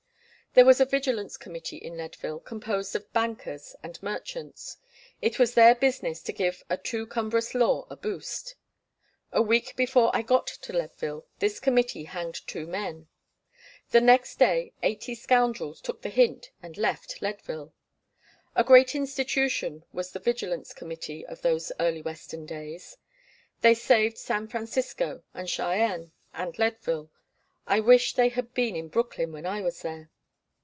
There was a vigilance committee in Leadville composed of bankers and merchants. It was their business to give a too cumbrous law a boost. The week before I got to Leadville this committee hanged two men. The next day eighty scoundrels took the hint and left Leadville. A great institution was the vigilance committee of those early Western days. They saved San Francisco, and Cheyenne, and Leadville. I wish they had been in Brooklyn when I was there.